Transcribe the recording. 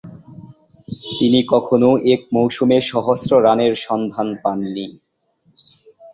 তিনি কখনো এক মৌসুমে সহস্র রানের সন্ধান পাননি।